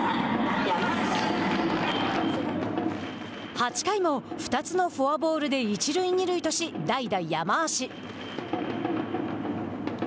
８回も２つのフォアボールで一塁二塁とし代打、山足。